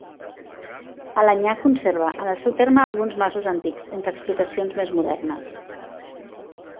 Alenyà conserva en el seu terme alguns masos antics, entre explotacions més modernes.